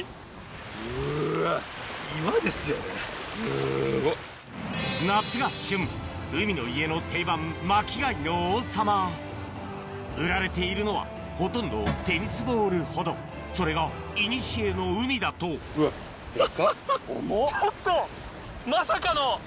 すごい。夏が旬海の家の定番巻き貝の王様売られているのはほとんどテニスボールほどそれがいにしえの海だとちょっとまさかの！